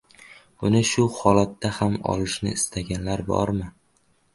“Uni shu holatda ham olishni istaganlar bormi?”.